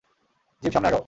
Zip সামনে আগাও।